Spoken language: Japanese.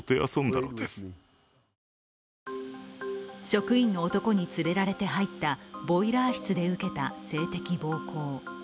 職員の男に連れられて入ったボイラー室で受けた性的暴行。